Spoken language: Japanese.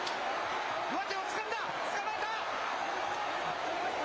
上手をつかんだ、つかまえた。